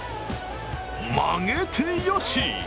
曲げてよし！